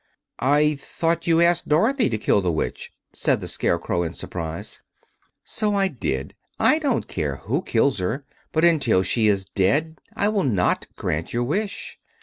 "I thought you asked Dorothy to kill the Witch," said the Scarecrow, in surprise. "So I did. I don't care who kills her. But until she is dead I will not grant your wish.